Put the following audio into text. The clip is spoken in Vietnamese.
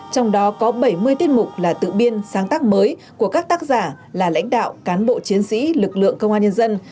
trong đó có bảy mươi tiết mục là tự biên sáng tác mới của các tác giả là lãnh đạo cán bộ chiến sĩ lực lượng công an nhân dân